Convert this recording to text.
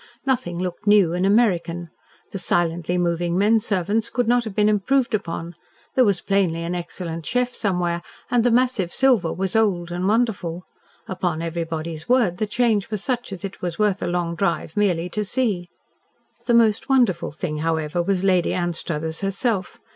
Nothing looked new and American. The silently moving men servants could not have been improved upon, there was plainly an excellent chef somewhere, and the massive silver was old and wonderful. Upon everybody's word, the change was such as it was worth a long drive merely to see! The most wonderful thing, however, was Lady Anstruthers herself.